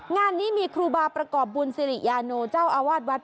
งานนี้มีครูบาประกอบบุญสิริยาโนเจ้าอาวาสวัด